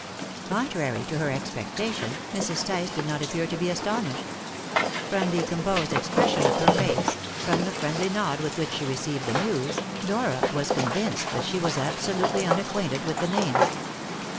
Contrary to her expectation, Mrs. Tice did not appear to be astonished. From the composed expression of her face, from the friendly nod with which she received the news, Dora was convinced that she was absolutely unacquainted with the name.